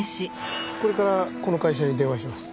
これからこの会社に電話します。